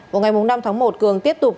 vào ngày năm tháng một cường tiếp tục